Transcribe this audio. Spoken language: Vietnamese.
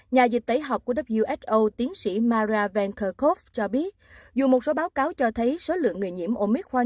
nhà dịch tẩy học của who tiến sĩ mara vankerkov cho biết dù một số báo cáo cho thấy số lượng người nhiễm omicron